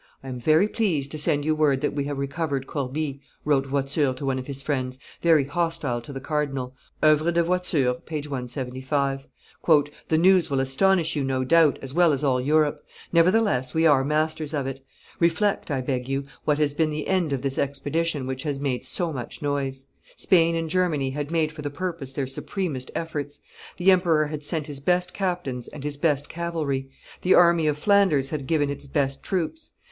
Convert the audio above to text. "I am very pleased to send you word that we have recovered Corbie," wrote Voiture to one of his friends, very hostile to the cardinal [OEuvres de Voiture, p. 175]: "the news will astonish you, no doubt, as well as all Europe; nevertheless, we are masters of it. Reflect, I beg you, what has been the end of this expedition which has made so much noise. Spain and Germany had made for the purpose their supremest efforts. The emperor had sent his best captains and his best cavalry. The army of Flanders had given its best troops.